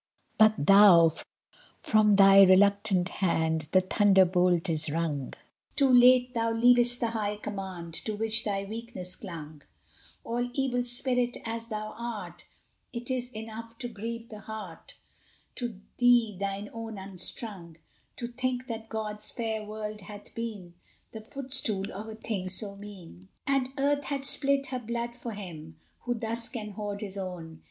But thou from thy reluctant hand The thunderbolt is wrung; Too late thou leav'st the high command To which thy weakness clung; All Evil Spirit as thou art, It is enough to grieve the heart To see thine own unstrung; To think that God's fair world hath been The footstool of a thing so mean! And Earth hath spilt her blood for him, Who thus can hoard his own!